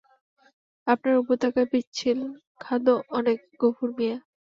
আপনার উপত্যকায় পিচ্ছিল খাঁদও অনেক, গফুর মিয়া!